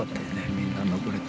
みんな登れて。